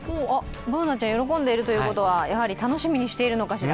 Ｂｏｏｎａちゃん、喜んでいるということはやっぱり楽しみにしてるのかしら。